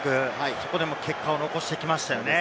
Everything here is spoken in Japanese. そこでも結果を残してきましたよね。